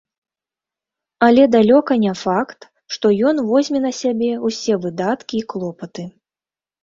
Але далёка не факт, што ён возьме на сябе ўсе выдаткі і клопаты.